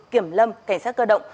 kiểm lâm cảnh sát cơ động